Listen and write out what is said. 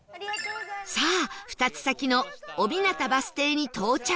さあ２つ先の小日向バス停に到着